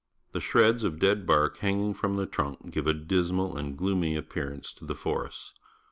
The shreds of dead bark hang ing from the trunk give a dismal and gloomy appearance to the forests.